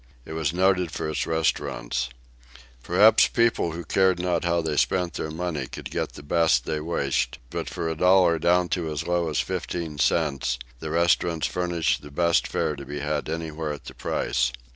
It was noted for its restaurants. Perhaps people who cared not how they spent their money could get the best they wished, but for a dollar down to as low as fifteen cents the restaurants furnished the best fare to be had anywhere at the price.